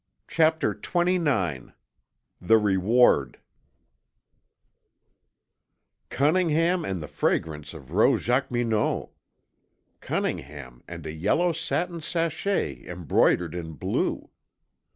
CHAPTER XXIX THE REWARD Cunningham and the fragrance of Rose Jacqueminot! Cunningham and a yellow satin sachet embroidered in blue!